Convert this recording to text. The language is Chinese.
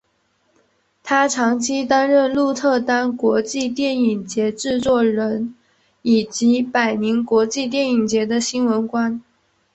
他长期担任鹿特丹国际电影节制作人以及柏林国际电影节的新闻官。